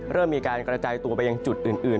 เริ่มมีการกระจายตัวไปยังจุดอื่น